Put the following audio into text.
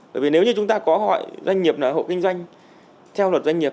bởi vì nếu như chúng ta có hỏi doanh nghiệp là hộ kinh doanh theo luật doanh nghiệp